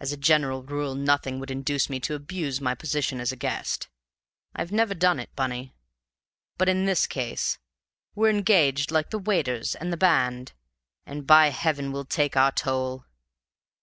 As a general rule nothing would induce me to abuse my position as a guest. I've never done it, Bunny. But in this case we're engaged like the waiters and the band, and by heaven we'll take our toll!